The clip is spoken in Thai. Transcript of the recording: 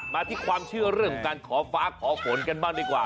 มาที่ความเชื่อเรื่องของการขอฟ้าขอฝนกันบ้างดีกว่า